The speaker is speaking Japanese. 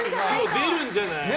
出るんじゃない？